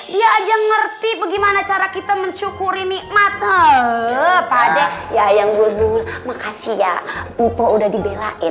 dia aja ngerti bagaimana cara kita mensyukuri nikmat